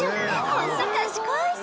ホント賢い！